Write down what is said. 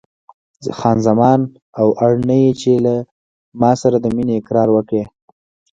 خان زمان: او اړ نه یې چې له ما سره د مینې اقرار وکړې.